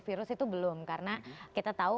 virus itu belum karena kita tahu